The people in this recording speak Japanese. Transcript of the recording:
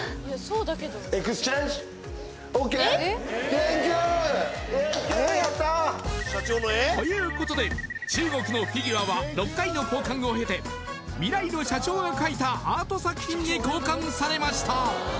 サンキューやったーということで中国のフィギュアは６回の交換を経て未来の社長が描いたアート作品に交換されました